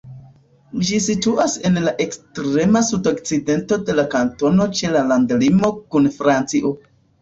Ĝi situas en la ekstrema sudokcidento de la kantono ĉe la landlimo kun Francio.